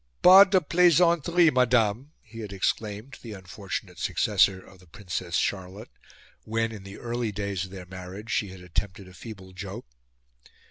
"Pas de plaisanteries, madame!" he had exclaimed to the unfortunate successor of the Princess Charlotte, when, in the early days of their marriage, she had attempted a feeble joke.